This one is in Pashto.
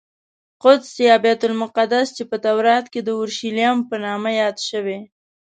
قدس یا بیت المقدس چې په تورات کې د اورشلیم په نامه یاد شوی.